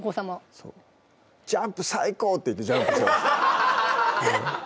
そう「ジャンプ最高！」って言ってジャンプしてました